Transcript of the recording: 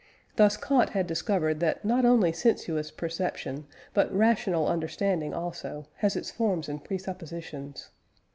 _ Thus Kant had discovered that not only sensuous perception, but rational understanding also, has its forms and presuppositions.